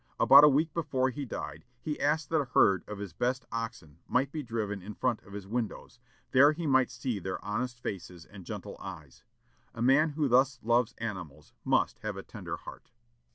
About a week before he died he asked that a herd of his best oxen might be driven in front of his windows, that he might see their honest faces and gentle eyes. A man who thus loves animals must have a tender heart.